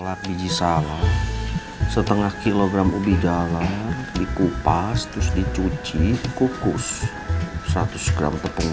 olah biji salam setengah kilogram ubi dala dikupas terus dicuci kukus seratus gram tepung